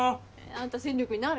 あんた戦力になる？